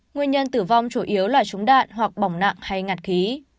nguyên nhân tử vong chủ yếu là trúng đạn hoặc bỏng nặng hay ngạt khí